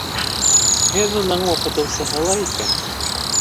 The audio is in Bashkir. Һеҙ уның уҡытыусыһы ла икән.